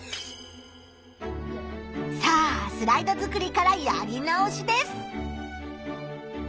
さあスライド作りからやり直しです。